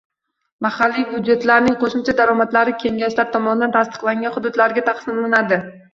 Mahalliy byudjetlarning qo'shimcha daromadlari kengashlar tomonidan tasdiqlangan hududlarga taqsimlanadi